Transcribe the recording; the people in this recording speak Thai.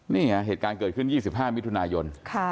เนี่ยเหตุการณ์เกิดขึ้นอยู่๒๕มิถุนายนค่ะ